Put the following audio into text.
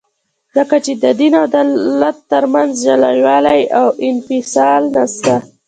ځکه چي د دین او دولت ترمنځ جلاوالي او انفصال نسته.